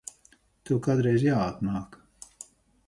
Tev kādreiz jāatnāk.